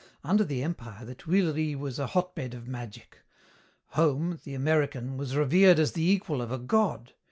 Under the Empire the Tuileries was a hotbed of magic. Home, the American, was revered as the equal of a god.